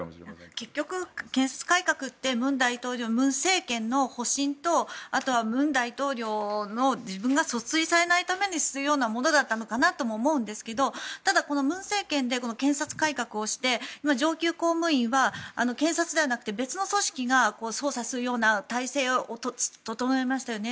結局、検察改革って文政権の保身とあとは文大統領の自分が訴追されないためにするようなものだったのかなと思うんですがただ、文政権で検察改革をして上級公務員は検察ではなくて別の組織が捜査するような体制を整えましたよね。